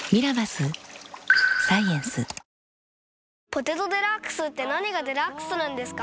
「ポテトデラックス」って何がデラックスなんですか？